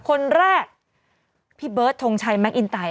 คนแรกพี่เบิร์ดทงชัยแมคอินไต